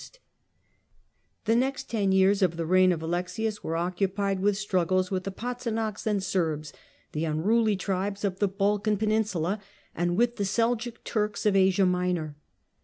Wars with The ucxt ten years of the reign of Alexius were occupied pSzinaks ^^^^^ Struggles with the Patzinaks and Serbs, the unruly Slays and tribcs of the Balkan peninsula, and with the Seljuk Turks Turks of Asia Minor.